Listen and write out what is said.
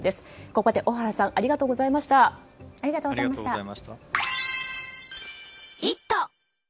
ここまで小原さんありがとうございました。